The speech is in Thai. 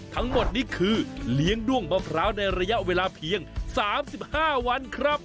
ทั้งหมดนี่คือเลี้ยงด้วงมะพร้าวในระยะเวลาเพียง๓๕วันครับ